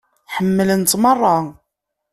Ḥemmlen-tt merra.